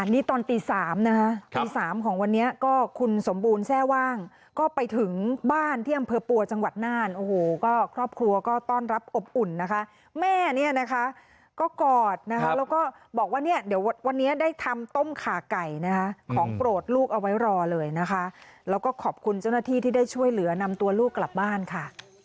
นี่ตอนตี๓นะคะตีสามของวันนี้ก็คุณสมบูรณ์แทร่ว่างก็ไปถึงบ้านที่อำเภอปัวจังหวัดน่านโอ้โหก็ครอบครัวก็ต้อนรับอบอุ่นนะคะแม่เนี่ยนะคะก็กอดนะคะแล้วก็บอกว่าเนี่ยเดี๋ยววันนี้ได้ทำต้มขาไก่นะคะของโปรดลูกเอาไว้รอเลยนะคะแล้วก็ขอบคุณเจ้าหน้าที่ที่ได้ช่วยเหลือนำตัวลูกกลับบ้านค่ะ